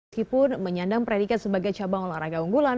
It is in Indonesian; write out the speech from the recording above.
meskipun menyandang predikat sebagai cabang olahraga unggulan